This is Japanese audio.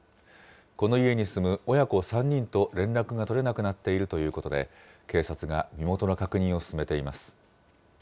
この家に住む親子３人と連絡が取れなくなっているということで、警察が身元の確認を進めています。